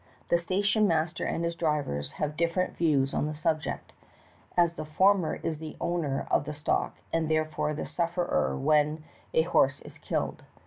The station master and his drivers have different views on this subject, as the former is the owner of the stock, and therefore the sufferer when a horse is killed.